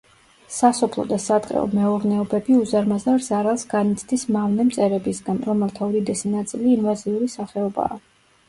სასოფლო და სატყეო მეურნეობები უზარმაზარ ზარალს განიცდის მავნე მწერებისგან, რომელთა უდიდესი ნაწილი ინვაზიური სახეობაა.